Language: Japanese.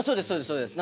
そうです。